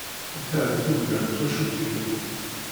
Ta d tugna n twacult-inu.